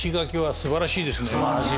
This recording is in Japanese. すばらしいですね。